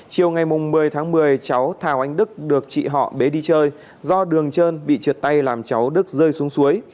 chiều ngày một mươi tháng một mươi cháu thào anh đức được chị họ bế đi chơi do đường trơn bị trượt tay làm cháu đức rơi xuống suối